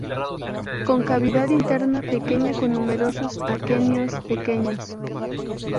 Con cavidad interna pequeña, con numerosos aquenios pequeños.